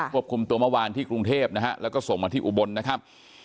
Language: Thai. ควบคุมตัวเมื่อวานที่กรุงเทพนะฮะแล้วก็ส่งมาที่อุบลนะครับ